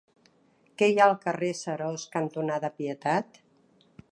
Què hi ha al carrer Seròs cantonada Pietat?